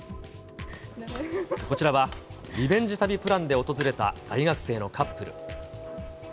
こちらは、リベンジ旅プランで訪れた大学生のカップル。